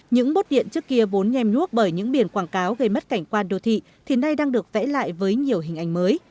những bốt điện trước kia vốn nhem nhuốc bởi những biển quảng cáo gây mất cảnh quan đô thị thì nay đang được vẽ lại với nhiều hình ảnh mới